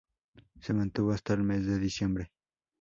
Se mantuvo hasta el mes de diciembre.